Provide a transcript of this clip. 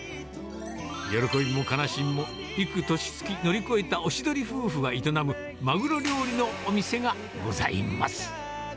喜びも悲しみも幾年月乗り越えたおしどり夫婦が営む、マグロ料理のお店がございます。